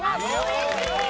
嬉しい！